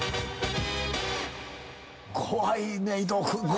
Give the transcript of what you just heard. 怖いね伊藤君ね。